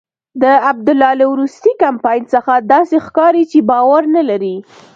د عبدالله له وروستي کمپاین څخه داسې ښکاري چې باور نلري.